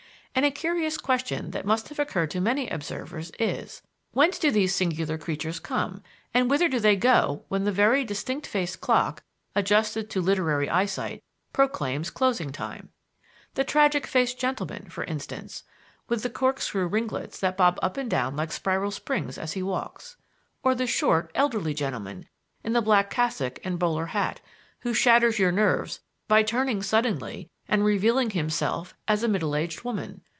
And a curious question that must have occurred to many observers is: Whence do these singular creatures come, and whither do they go when the very distinct faced clock (adjusted to literary eyesight) proclaims closing time? The tragic faced gentleman, for instance, with the corkscrew ringlets that bob up and down like spiral springs as he walks? Or the short, elderly gentleman in the black cassock and bowler hat, who shatters your nerves by turning suddenly and revealing himself as a middle aged woman?